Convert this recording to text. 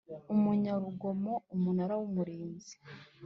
umunyarugomo Umunara w Umurinzi